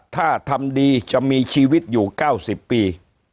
ถ้าทำดีจะมีชีวิตอยู่๙๐ปี